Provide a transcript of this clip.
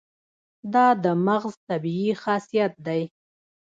دا د مغز طبیعي خاصیت دی.